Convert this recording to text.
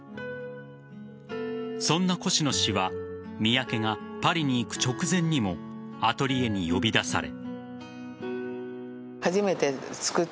そんなコシノ氏は三宅がパリに行く直前にもアトリエに呼び出され。